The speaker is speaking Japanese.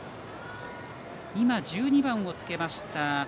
１２番をつけました